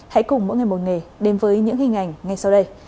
hãy cùng mỗi ngày một nghề đến với những hình ảnh ngay sau đây